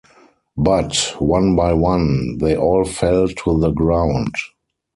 But, one by one, they all fell to the ground.